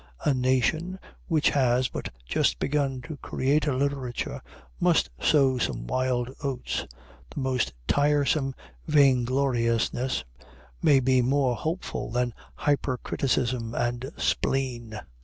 A nation which has but just begun to create a literature must sow some wild oats. The most tiresome vaingloriousness may be more hopeful than hypercriticism and spleen.